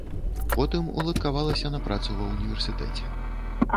Потым уладкавалася на працу ва ўніверсітэце.